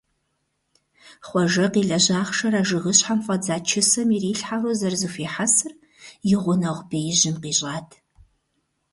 Хъуэжэ къилэжь ахъшэр а жыгыщхьэм фӀэдза чысэм ирилъхьэурэ зэрызэхуихьэсыр и гъунэгъу беижьым къищӀат.